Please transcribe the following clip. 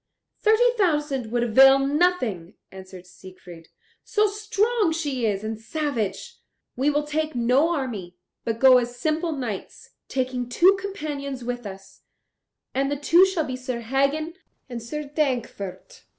"Thirty thousand would avail nothing." answered Siegfried, "so strong she is and savage. We will take no army, but go as simple knights, taking two companions with us, and the two shall be Sir Hagen and Sir Dankwart."